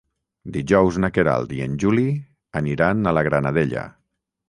Dijous na Queralt i en Juli aniran a la Granadella.